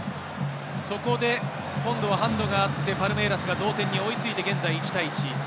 そこで今度はハンドがあって、パルメイラスが同点に追いついて現在、１対１。